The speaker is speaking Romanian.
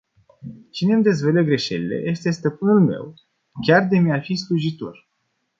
Cine îmi dezvăluie greșelile este stăpânul meu, chiar de mi-ar fi slujitor.